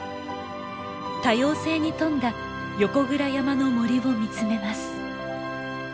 多様性に富んだ横倉山の森を見つめます。